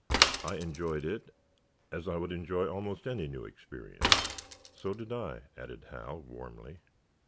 I enjoyed it as I would enjoy almost any new experience." "So did I," added Hal, warmly.